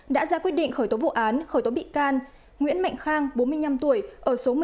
đã ra quyết định khởi tố vụ án khởi tố bị can nguyễn mạnh khang bốn mươi năm tuổi